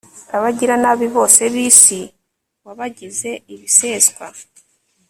abagiranabi bose b'isi, wabagize ibiseswa